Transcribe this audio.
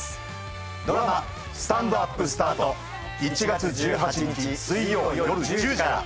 ドラマ『スタンドＵＰスタート』１月１８日水曜夜１０時から。